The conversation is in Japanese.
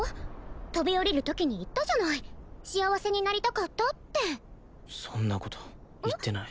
飛び降りるときに言ったじゃない幸せになりたかったってそんなこと言ってない